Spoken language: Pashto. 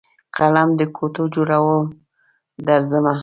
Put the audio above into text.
قلم دګوټو جوړوم درځمه